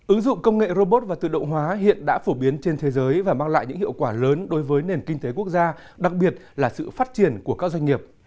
ứng dụng công nghệ robot và tự động hóa hiện đã phổ biến trên thế giới và mang lại những hiệu quả lớn đối với nền kinh tế quốc gia đặc biệt là sự phát triển của các doanh nghiệp